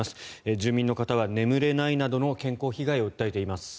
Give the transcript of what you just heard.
住民の方は眠れないなどの健康被害を訴えています。